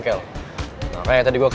tariknya pas penjari n nossa